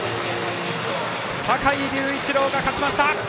坂井隆一郎が勝ちました。